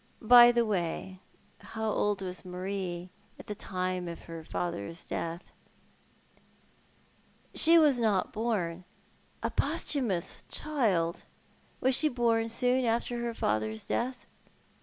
By the way, how old was Marie at the time of her father's death ?"" She was not born." " A posthumous child ! Was she born soon after her father's death?"